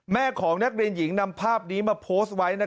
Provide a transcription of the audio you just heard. แม่ของนักเรียนหญิงนำภาพนี้มาโพสต์ไว้